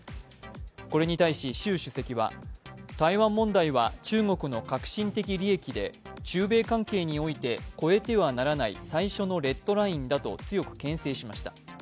これに対し習主席は、台湾問題は中国の核心的利益で中米関係において越えてはならない最初のレッドラインだと強くけん制しました。